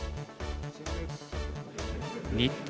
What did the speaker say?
日本